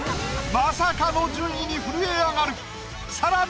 まさかの順位に震え上がる⁉更に。